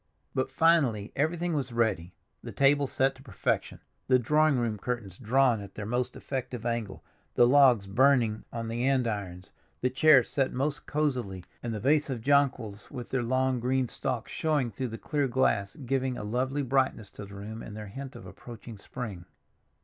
But finally everything was ready, the table set to perfection, the drawing room curtains drawn at their most effective angle, the logs burning on the andirons, the chairs set most cozily, and the vase of jonquils with their long, green stalks showing through the clear glass, giving a lovely brightness to the room in their hint of approaching spring.